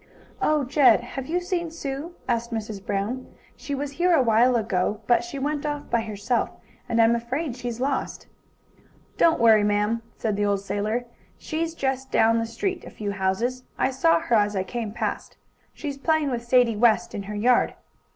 "Oh, Jed, have you seen Sue?" asked Mrs. Brown. "She was here a while ago, but she went off by herself, and I'm afraid she's lost." "Don't worry, ma'am," said the old sailor. "She's just down the street a few houses. I saw her as I came past. She's playing with Sadie West, in her yard."